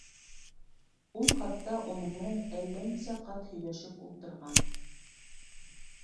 Ул хатта уның менән әллә нисә ҡат һөйләшеп ултырған.